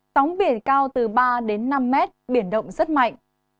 sóng biển cao từ ba đến năm mét biển động rất mạnh